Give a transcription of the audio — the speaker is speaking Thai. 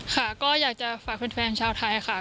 ค่ะก็อยากจะฝากแฟนชาวไทยค่ะ